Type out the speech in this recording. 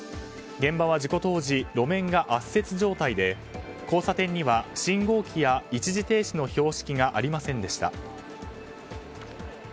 現場は事故当時路面が圧雪状態で交差点には信号機や一時停止の標識がありませんでした。